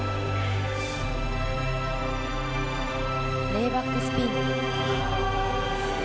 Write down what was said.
レイバックスピン。